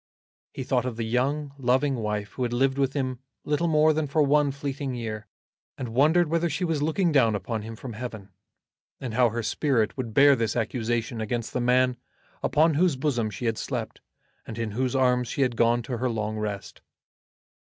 He thought of the young loving wife who had lived with him little more than for one fleeting year, and wondered whether she was looking down upon him from Heaven, and how her spirit would bear this accusation against the man upon whose bosom she had slept, and in whose arms she had gone to her long rest.